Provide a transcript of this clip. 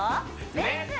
「レッツ！